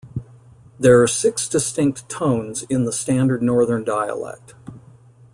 There are six distinct tones in the standard northern dialect.